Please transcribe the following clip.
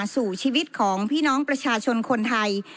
สู่ชีวิตของพี่น้องประชาชนคนไทย